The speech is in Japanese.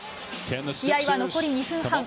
試合は残り２分半。